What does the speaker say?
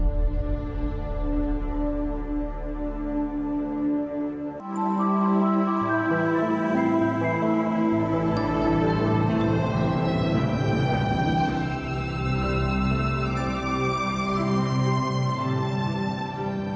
โปรดติดตามตอนต่อไป